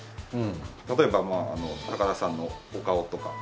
例えば高田さんのお顔とか。